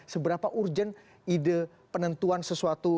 seberapa urgent ide penentuan sesuatu